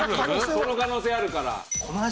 その可能性あるから。